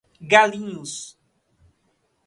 Galinhos